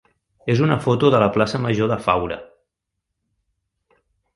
és una foto de la plaça major de Faura.